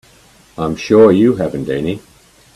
I'm sure you haven't any.